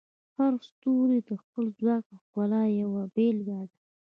هر ستوری د خپل ځواک او ښکلا یوه بیلګه ده.